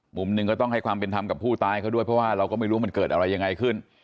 มุมหนึ่งก็ต้องให้ความเป็นธรรมกับผู้ตายเขาด้วยเพราะว่าเราก็ไม่รู้มันเกิดอะไรยังไงขึ้น